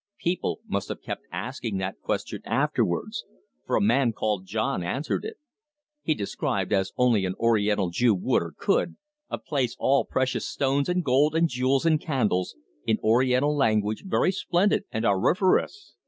People must have kept asking that question afterwards, for a man called John answered it. He described, as only an oriental Jew would or could, a place all precious stones and gold and jewels and candles, in oriental language very splendid and auriferous.